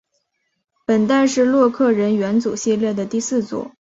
本代是洛克人元祖系列的第四作。